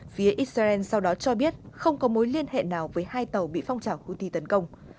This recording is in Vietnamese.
phía israel sau đó cho biết không có mối liên hệ nào với hai tàu bị phong trào houthi tấn công